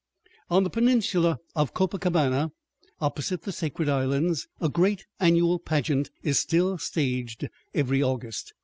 On the peninsula of Copacabana, opposite the sacred islands, a great annual pageant is still staged every August.